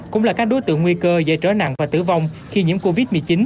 cũng là các đối tượng nguy cơ dễ trở nặng và tử vong khi nhiễm covid một mươi chín